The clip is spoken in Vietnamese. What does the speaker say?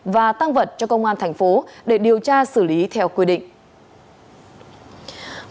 và tăng vật cho công an thành phố để điều tra xử lý theo quy định